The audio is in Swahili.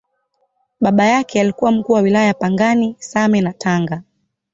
Baba yake alikuwa Mkuu wa Wilaya Pangani, Same na Tanga.